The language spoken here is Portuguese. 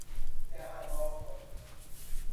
Terra Nova